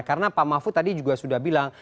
karena pak mahfud tadi juga sudah bilang